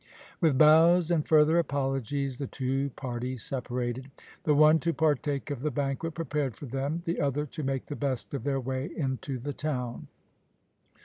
With bows and further apologies the two parties separated; the one to partake of the banquet prepared for them, the other to make the best of their way into the town.